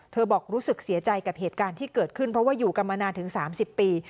บอกรู้สึกเสียใจกับเหตุการณ์ที่เกิดขึ้นเพราะว่าอยู่กันมานานถึง๓๐ปี